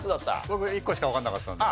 僕１個しかわかんなかったんで。